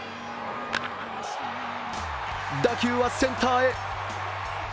打球はセンターへ。